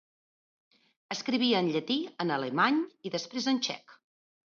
Escrivia en llatí, en alemany i després en txec.